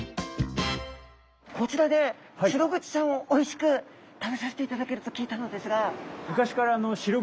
こちらでシログチちゃんをおいしく食べさせていただけると聞いたのですが。